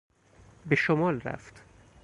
به شمال رفت.